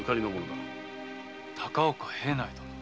高岡平内殿。